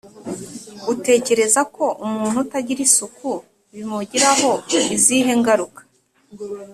Utekereza ko umuntu utagira isuku bimugiraho izihe ngaruka?